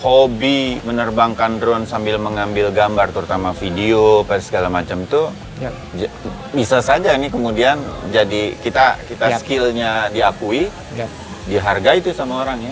hobi menerbangkan drone sambil mengambil gambar terutama video apa segala macam itu bisa saja ini kemudian jadi kita skillnya diakui dihargai itu sama orangnya